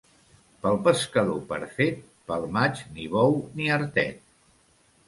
Pel pescador perfet, pel maig, ni bou ni artet.